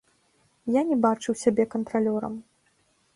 Я не бачыў сябе кантралёрам.